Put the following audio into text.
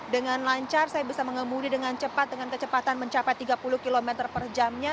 dengan lancar saya bisa mengemudi dengan cepat dengan kecepatan mencapai tiga puluh km per jamnya